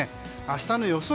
明日の予想